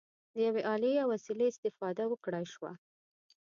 د یوې الې یا وسیلې استفاده وکړای شوه.